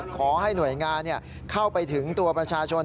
ขอให้หน่วยงานเข้าไปถึงตัวประชาชน